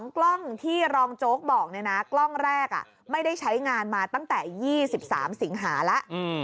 กล้องที่รองโจ๊กบอกกล้องแรกไม่ได้ใช้งานมาตั้งแต่๒๓สิงหาแล้ว